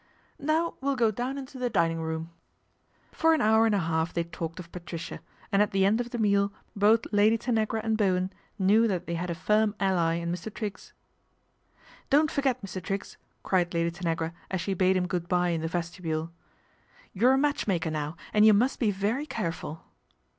" Now we'll go down into the dining room." 214 PATRICIA BRENT, SPINSTER For an hour and a half they talked of Patricia, and at the end of the meal both Lady Tanagra and Bowen knew that they had a firm ally in Mr. Triggs. " Don't forget, Mr. Triggs," cried Lady Tanagra as she bade him good bye in the vestibule. " You're a match maker now, and you must be very care ful."